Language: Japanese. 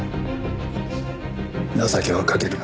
情けはかけるな。